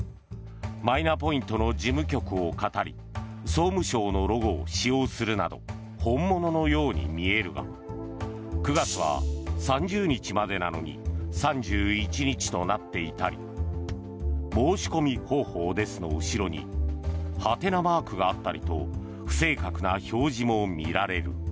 マイナポイントの事務局をかたり総務省のロゴを使用するなど本物のように見えるが９月は３０日までなのに３１日となっていたり「申し込み方法です」の後ろにハテナマークがあったりと不正確な表示も見られる。